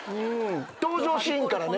登場シーンからね。